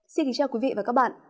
xin kính chào quý vị và các bạn